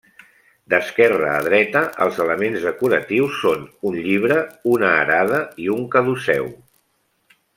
D’esquerra a dreta els elements decoratius són un llibre, una arada i un caduceu.